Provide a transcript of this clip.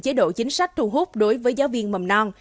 chế độ chính sách thu hút đối với giáo viên mầm non